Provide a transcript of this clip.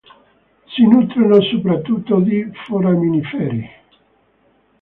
Si nutrono soprattutto di foraminiferi.